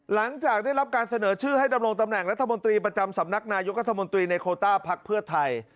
หลังจากได้รับการเสนอชื่อให้ดำรงตำแหน่งรัฐมนตรีประจำสำนักนายกรัฐมนตรีในโคต้าพักเพื่อไทย